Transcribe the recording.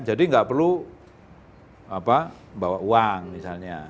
jadi nggak perlu bawa uang misalnya